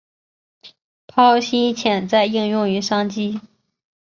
剖析潜在应用与商机